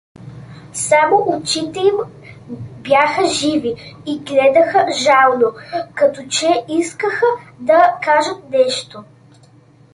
Само очите им бяха живи и гледаха жално, като че искаха да кажат нещо.